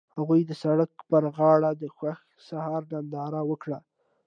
هغوی د سړک پر غاړه د خوښ سهار ننداره وکړه.